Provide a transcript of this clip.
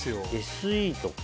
ＳＥとか。